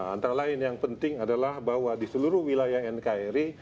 antara lain yang penting adalah bahwa di seluruh wilayah nkri